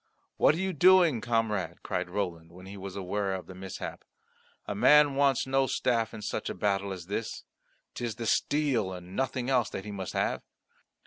"What are you doing, comrade?" cried Roland, when he was aware of the mishap. "A man wants no staff in such a battle as this. 'Tis the steel and nothing else that he must have.